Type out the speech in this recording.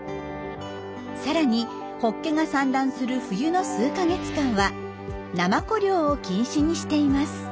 さらにホッケが産卵する冬の数か月間はナマコ漁を禁止にしています。